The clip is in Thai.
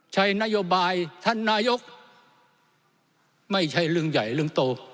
ใช้นโยบายท่านนายกไม่ใช่เรื่องใหญ่เรื่องโต